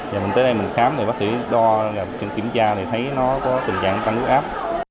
và mình tới đây mình khám thì bác sĩ đo và kiểm tra thì thấy nó có tình trạng tăng huyết áp